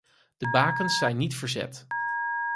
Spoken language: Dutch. De bakens zijn niet verzet.